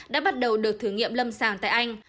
đã bắt đầu được thử nghiệm lâm sàng tại anh